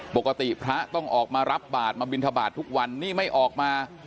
ปกติพระต้องออกมารับบาทมาบินทบาททุกวันนี้ไม่ออกมา